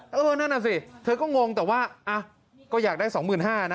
นั่นแหละสิเธอก็งงแต่ว่าก็อยากได้๒๕๐๐๐บาทนะ